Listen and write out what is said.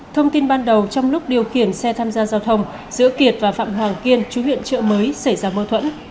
thông tin ban đầu trong lúc điều khiển xe tham gia giao thông giữa kiệt và phạm hoàng kiên chú huyện trợ mới xảy ra mâu thuẫn